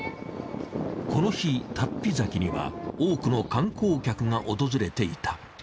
この日龍飛崎には多くの観光客が訪れていた。